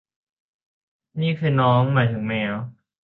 นี่คือ 'น้อง' หมายถึงแมว